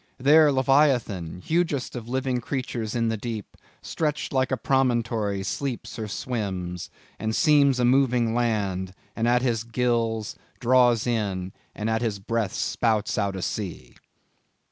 —"There Leviathan, Hugest of living creatures, in the deep Stretched like a promontory sleeps or swims, And seems a moving land; and at his gills Draws in, and at his breath spouts out a sea."